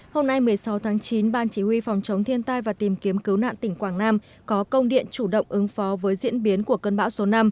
hôm nay một mươi sáu tháng chín ban chỉ huy phòng chống thiên tai và tìm kiếm cứu nạn tỉnh quảng nam có công điện chủ động ứng phó với diễn biến của cơn bão số năm